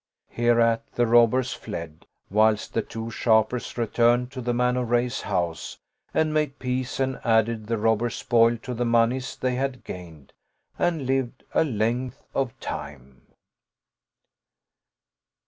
Hereat the robbers fled, whilst the two sharpers returned to the man of Rayy's house and made peace and added the robbers' spoil to the moneys they had gained and lived a length of time.